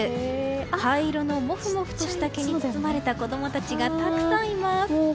灰色のもふもふとした毛に包まれた子供たちがたくさんいます。